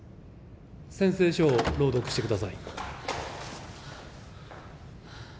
宣誓書を朗読してください。